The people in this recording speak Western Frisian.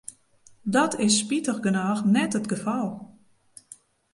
Dat is spitich genôch net it gefal.